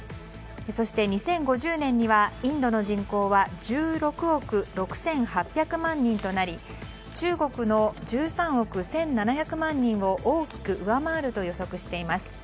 そして２０５０年にはインドの人口は１６億６８００万人となり中国の１３億１７００万人を大きく上回ると予測しています。